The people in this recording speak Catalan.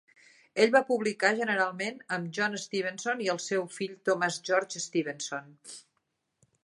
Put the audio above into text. Ell va publicar generalment amb John Stevenson i el seu fill Thomas George Stevenson.